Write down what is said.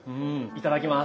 いただきます。